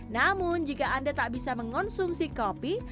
namun jika anda tak bisa mengonsumsi kopi